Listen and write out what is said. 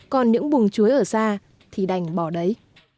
còn những bùng chuối ở xa thì đành bỏ đấy